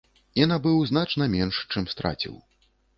І набыў значна менш, чым страціў.